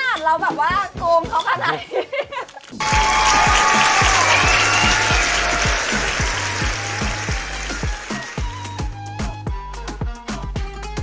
นี่แบบนี้ขนาดเราแบบว่าโกมเขาขนาดนี้